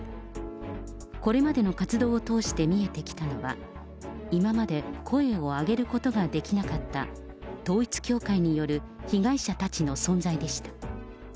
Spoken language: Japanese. これまでの活動を通して見えてきたのは、今まで声を上げることができなかった、統一教会による被害者たちの存在でした。